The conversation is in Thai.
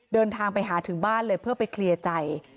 เดินทางไปหาถึงบ้านเลยเพื่อไปเคลียร์ใจ